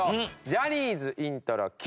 ジャニーズイントロＱ！